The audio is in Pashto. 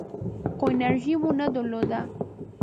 خو انرژي مو نه درلوده .